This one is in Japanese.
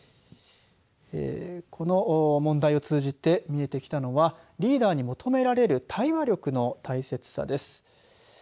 この問題を通じて見えてきたのはリーダーに求められる対話力の大切さです。